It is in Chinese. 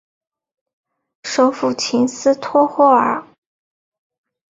首府琴斯托霍瓦。